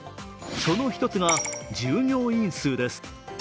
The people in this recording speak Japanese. その１つが従業員数です。